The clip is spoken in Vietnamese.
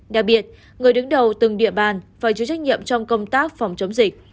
đặc biệt người đứng đầu từng địa bàn phải chịu trách nhiệm trong công tác phòng chống dịch